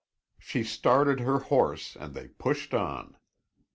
She started her horse and they pushed on.